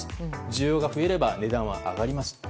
需要が増えれば値段は上がりますと。